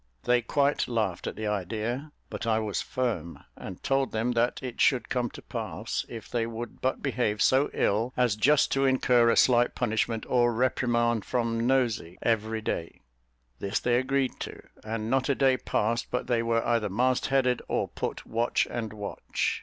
They quite laughed at the idea; but I was firm, and told them that it should come to pass, if they would but behave so ill as just to incur a slight punishment or reprimand from "Nosey" every day; this they agreed to; and not a day passed but they were either mast headed, or put watch and watch.